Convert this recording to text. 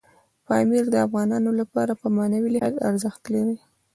پامیر د افغانانو لپاره په معنوي لحاظ ارزښت لري.